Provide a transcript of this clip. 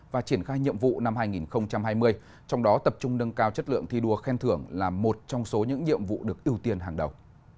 và triển khai nhiệm vụ năm hai nghìn hai mươi trong đó tập trung nâng cao chất lượng thi đua khen thưởng là một trong số những nhiệm vụ được ưu tiên hàng đầu